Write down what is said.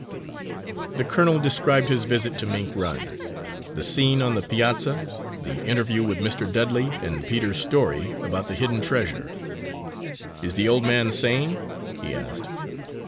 The colonel described his visit to Mink Run, the scene on the piazza, the interview with Mr. Dudley, and Peter's story about the hidden treasure. "Is the old man sane?" he asked.